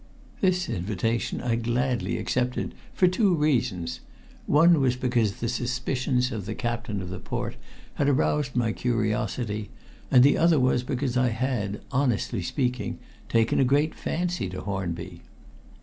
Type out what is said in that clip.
This invitation I gladly accepted for two reasons. One was because the suspicions of the Captain of the Port had aroused my curiosity, and the other was because I had, honestly speaking, taken a great fancy to Hornby.